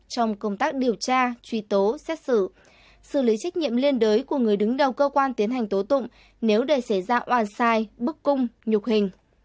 trong công tác điều tra truy tố xét xử xử lý trách nhiệm liên đới của người đứng đầu cơ quan tiến hành tố tụng nếu để xảy ra oan sai bức cung nhục hình